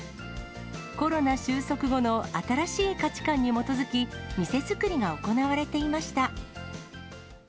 コロナ収束後の新しい価値観に基づき、店作りが行われていました。